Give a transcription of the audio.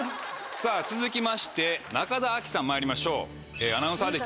さぁ続きまして中田有紀さんまいりましょう。